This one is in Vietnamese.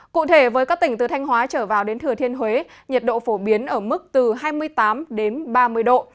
cụ thể với các tỉnh từ thanh hóa trở vào đến thừa thiên huế nhiệt độ phổ biến ở mức từ hai mươi tám ba mươi độ